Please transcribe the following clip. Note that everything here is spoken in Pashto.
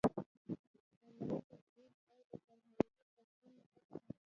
عملي تطبیق او د فرهنګي تکون سطحه.